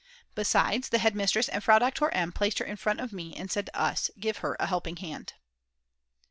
Besides, the head mistress and Frau Doktor M. placed her in front of me and said to us: "Give her a helping hand."